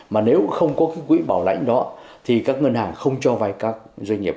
mà nếu không có cái quỹ bảo lãnh đó thì các ngân hàng không cho vay các doanh nghiệp